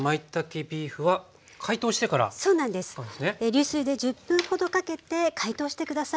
流水で１０分ほどかけて解凍して下さい。